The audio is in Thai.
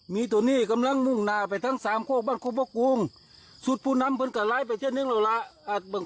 มีเมืองนี่มันขึ้นไปข้างบ้านครับที่เมืองนำเข้าไว้ตัวสูตรมันรายกลัวแต่นั้น